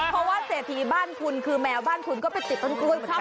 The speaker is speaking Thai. เพราะว่าเศรษฐีบ้านคุณคือแมวบ้านคุณก็ไปติดต้นกล้วยของเขา